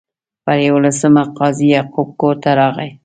پر یوولسمه قاضي یعقوب کور ته راغی.